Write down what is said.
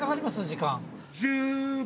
時間。